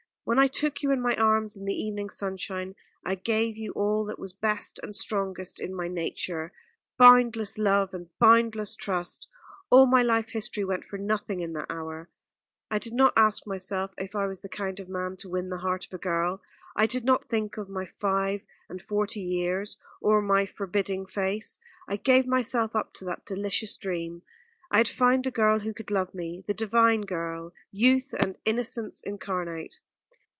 When I took you in my arms in the evening sunshine, I gave you all that was best and strongest in my nature boundless love and boundless trust. All my life history went for nothing in that hour. I did not ask myself if I was the kind of man to win the heart of a girl. I did not think of my five and forty years or my forbidding face. I gave myself up to that delicious dream. I had found the girl who could love me, the divine girl, youth and innocence incarnate.